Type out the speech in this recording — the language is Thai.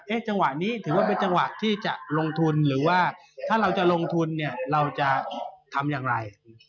จังหวะนี้ถือว่าเป็นจังหวะที่จะลงทุนหรือว่าถ้าเราจะลงทุนเนี่ยเราจะทำอย่างไร